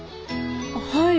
はい。